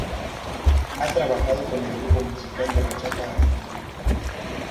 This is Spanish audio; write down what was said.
Ha trabajado con el grupo musical de bachata Aventura.